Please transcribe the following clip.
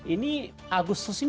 ini agus sus ini terlalu banyak